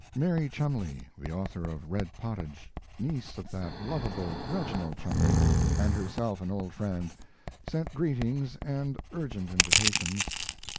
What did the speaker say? Mary Cholmondeley, the author of Red Pottage, niece of that lovable Reginald Cholmondeley, and herself an old friend, sent greetings and urgent invitations.